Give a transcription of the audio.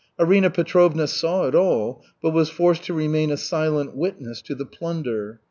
Arina Petrovna saw it all, but was forced to remain a silent witness to the plunder.